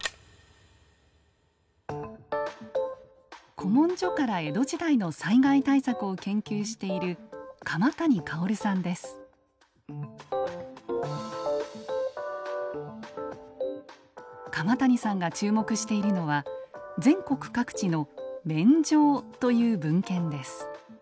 古文書から江戸時代の災害対策を研究している鎌谷さんが注目しているのは全国各地の「免定」という文献です。